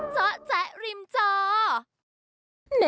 จ๊ะจ๊ะริมจอ